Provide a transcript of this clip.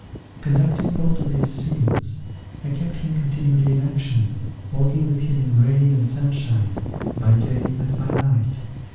Conducting Paul to these scenes, I kept him continually in action, walking with him in rain and sunshine, by day and by night.